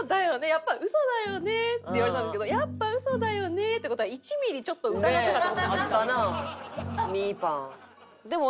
やっぱウソだよね」って言われたんですけど「やっぱウソだよね」って事は１ミリちょっと疑ってたって事じゃないですか。